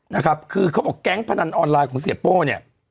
นะครับคือเขาบอกแก๊งพนันออนไลน์ของเสียโป้เนี่ย